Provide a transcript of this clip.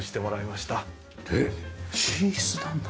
で寝室なんだ。